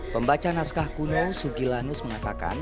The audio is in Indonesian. pembaca naskah kuno sugilanus mengatakan